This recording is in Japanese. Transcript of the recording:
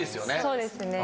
そうですね。